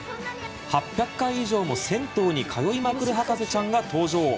８００回以上も銭湯に通いまくる博士ちゃんが登場。